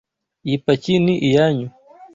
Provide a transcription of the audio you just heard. Iyi paki ni iyanyu.